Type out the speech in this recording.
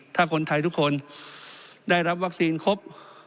ถ้าคนไทยทุกคนได้รับวัคซีนครบ